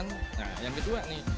nah yang kedua nih